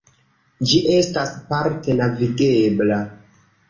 Ĝi estas parte navigebla.